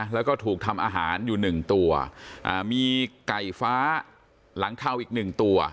แล้วก็ถูกทำอาหารอยู่หนึ่งตัวอ่ามีไก่ฟ้าหลังเทาอีกหนึ่งตัว